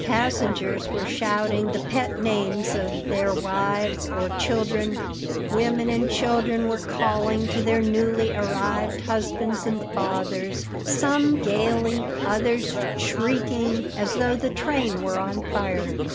Passengers were shouting the pet names of their wives or children; women and children were calling to their newly arrived husbands and fathers, some gaily, others shrieking, as though the train were on fire.